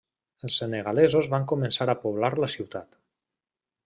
Els senegalesos van començar a poblar la ciutat.